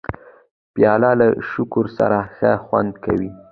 پیاله له شکر سره ښه خوند کوي.